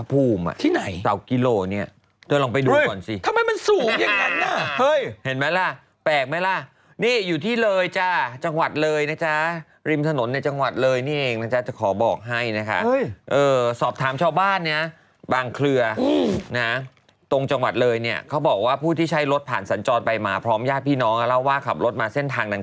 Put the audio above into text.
ทุก๑กิโลก็จะมีเสาหลักกิโลตั้งอยู่เป็นปูนข้างใน